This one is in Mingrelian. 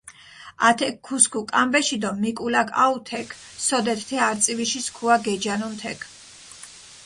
ათექ ქუსქუ კამბეში დო მიკულაქ აჸუ თექ, სოდეთ თე არწივიში სქუა გეჯანუნ თექ.